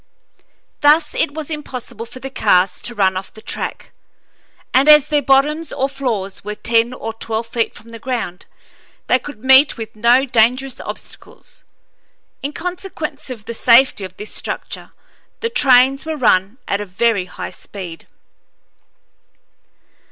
Thus it was impossible for the cars to run off the track; and as their bottoms or floors were ten or twelve feet from the ground, they could meet with no dangerous obstacles. In consequence of the safety of this structure, the trains were run at a very high speed.